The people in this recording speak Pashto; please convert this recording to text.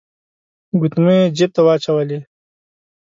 ګوتمۍ يې جيب ته واچولې.